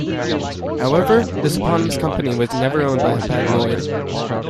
However this eponymous company was never owned by Hapag-Lloyd.